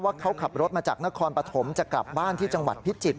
เขาขับรถมาจากนครปฐมจะกลับบ้านที่จังหวัดพิจิตร